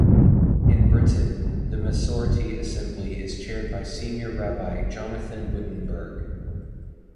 In Britain, the Masorti Assembly is chaired by Senior Rabbi Jonathan Wittenberg.